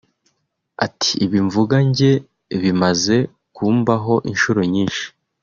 Ati " Ibi mvuga njye bimaze kumbaho inshuro nyinshi